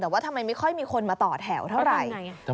แต่ว่าทำไมไม่ค่อยมีคนมาต่อแถวเท่าไหร่